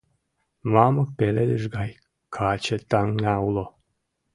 Мамык пеледыш гай каче таҥна уло.